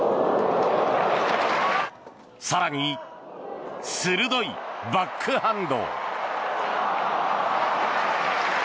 更に、鋭いバックハンド。